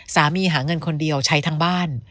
หาเงินคนเดียวใช้ทั้งบ้าน